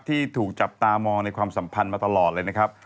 ที่ถูกจับตามองในความสัมพันธ์มาตลอดเลยนะครับ